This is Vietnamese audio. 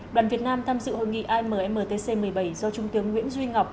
đoàn việt nam tham dự hội nghị ammtc một mươi bảy do trung tướng nguyễn duy ngọc